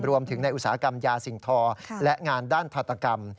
รวมถึงในอุตสาหกรรมยาสิ่งทอและงานด้านธัตกรรม